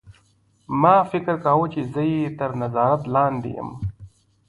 ما فکر کاوه چې زه یې تر نظارت لاندې یم